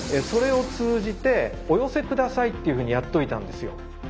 それを通じてお寄せ下さいっていうふうにやっといたんですよ。